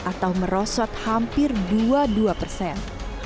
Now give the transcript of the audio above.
atau merosot hampir dua puluh dua persen